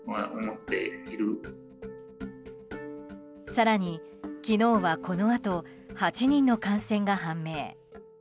更に、昨日はこのあと８人の感染が判明。